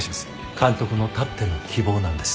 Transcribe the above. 監督のたっての希望なんです。